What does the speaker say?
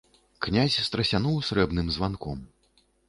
Князь страсянуў срэбным званком.